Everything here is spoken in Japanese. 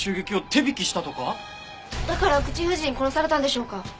だから口封じに殺されたんでしょうか？